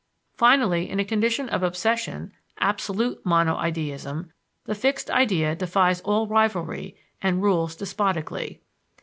Finally, in a condition of obsession (absolute monoideism) the fixed idea defies all rivalry and rules despotically.